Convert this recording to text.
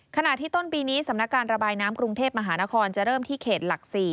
ขณะที่ต้นปีนี้สำนักการระบายน้ำกรุงเทพมหานครจะเริ่มที่เขตหลัก๔